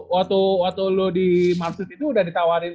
waktu lo di marsud itu udah ditawarin